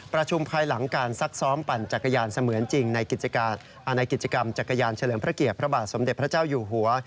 ประชุมภายหลังการซักซ้อมปั่นจักรยานเสมือนจริงในกิจกรรมจักรยานเฉลิมพระเกียรติพระบาทสมเด็จพระเจ้าอยู่หัว